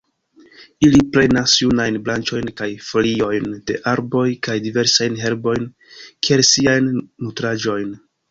Ili prenas junajn branĉojn kaj foliojn de arboj kaj diversajn herbojn kiel siajn nutraĵojn.